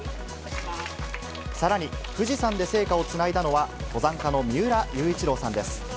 さらに、富士山で聖火をつないだのは、登山家の三浦雄一郎さんです。